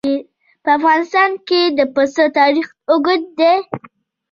په افغانستان کې د پسه تاریخ اوږد دی.